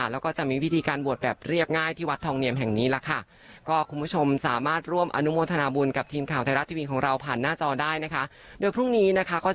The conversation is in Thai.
แล้วก็จะมีพิธีการบวชแบบเรียบง่ายที่วัดทองเนียมแห่งนี้ล่ะค่ะ